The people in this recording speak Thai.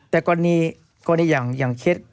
แต่ก่อนนี้อย่างเคล็ด